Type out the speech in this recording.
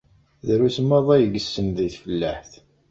Drus maḍi ay yessen deg tfellaḥt.